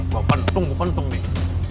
gua pentung gua pentung nih